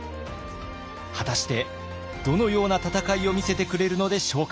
果たしてどのような戦いを見せてくれるのでしょうか？